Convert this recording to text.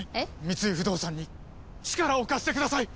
三井不動産に力を貸してください！